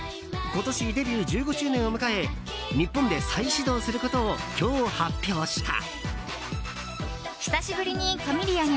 今年デビュー１５周年を迎え日本で再始動することを今日、発表した。